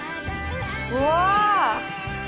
うわ！